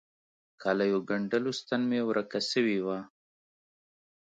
کاليو ګنډلو ستن مي ورکه سوي وه.